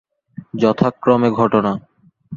যথাক্রমে ঘটনা।